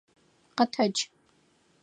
Къэтэдж!